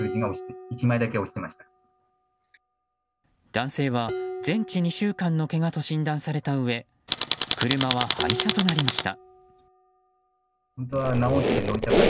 男性は、全治２週間のけがと診断されたうえ車は廃車となりました。